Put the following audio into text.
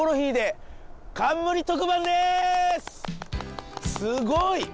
すごい！